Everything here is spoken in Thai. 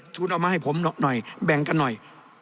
ทุนเอามาให้ผมหน่อยแบ่งกันหน่อย